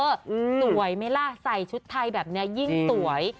สวยไหมล่ะใส่ชุดไทยแบบนี้ยิ่งสวย